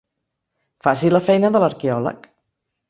Faci la feina de l'arqueòleg.